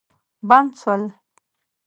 بند سول.